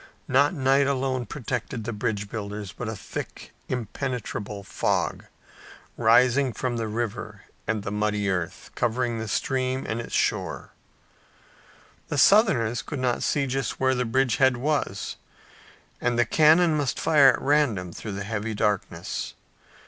Not night alone protected the bridge builders, but a thick, impenetrable fog, rising from the river and the muddy earth, covered the stream and its shores. The Southerners could not see just where the bridge head was and their cannon must fire at random through the heavy darkness.